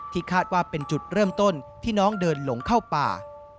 คาดว่าเป็นจุดเริ่มต้นที่น้องเดินหลงเข้าป่า